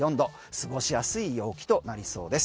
過ごしやすい陽気となりそうです。